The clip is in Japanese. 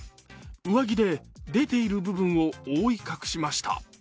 上着で出ている部分を覆い隠しました。